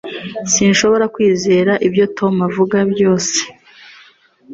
Sinshobora kwizera ibyo Tom avuga byose